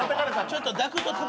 ちょっと。